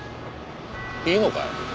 いいのかい？